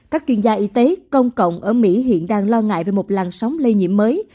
các chuyên gia y tế công cộng ở mỹ hiện đang lo ngại về một làn sóng lây nhiễm mới